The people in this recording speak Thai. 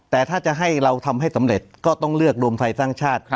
แต่ถ้าจะให้เราทำให้สำเร็จก็ต้องเลือกรวมไทยสร้างชาติ